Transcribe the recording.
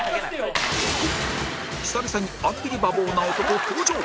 久々にアンビリバボーな男登場！